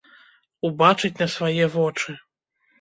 Убачыць на свае вочы.